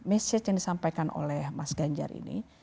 mesej yang disampaikan oleh mas ganjar ini